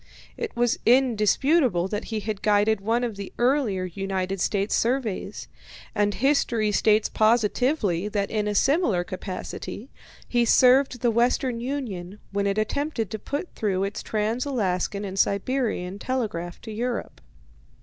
It was indisputable that he had guided one of the earlier United States surveys, and history states positively that in a similar capacity he served the Western Union when it attempted to put through its trans Alaskan and Siberian telegraph to Europe.